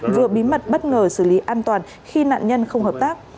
vừa bí mật bất ngờ xử lý an toàn khi nạn nhân không hợp tác